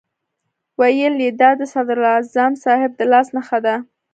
ویل یې دا د صدراعظم صاحب د لاس نښه ده.